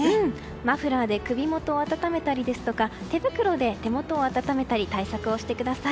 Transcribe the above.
マフラーで首元を温めたりですとか手袋で手元を温めたり対策をしてください。